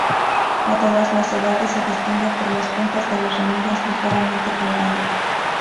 A todas las edades, se distingue por las puntas de las ramillas ligeramente colgantes.